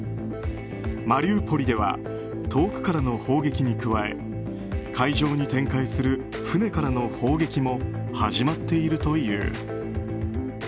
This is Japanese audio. マリウポリでは遠くからの砲撃に加え海上に展開する船からの砲撃も始まっているという。